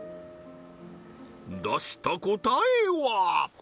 出した答えは？